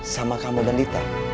sama kamu dan dita